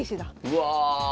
うわ！